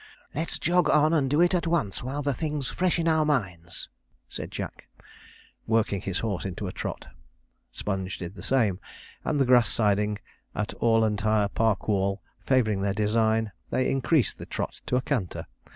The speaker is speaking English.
'Let's jog on and do it at once while the thing's fresh in our minds,' said Jack, working his horse into a trot. Sponge did the same; and the grass siding of Orlantire Parkwall favouring their design, they increased the trot to a canter.